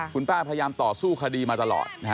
คุณป้าพยายามต่อสู้คดีมาตลอดนะฮะ